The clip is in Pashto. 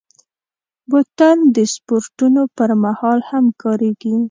بوتل د سپورټونو پر مهال هم کارېږي.